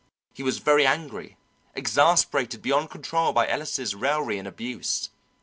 He was very angry, exasperated beyond control by Ellis' raillery and abuse.